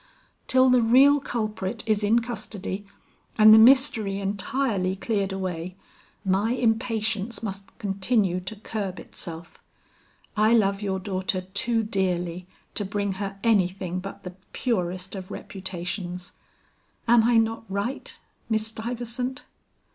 Till the real culprit is in custody and the mystery entirely cleared away, my impatience must continue to curb itself. I love your daughter too dearly to bring her anything but the purest of reputations. Am I not right, Miss Stuyvesant?"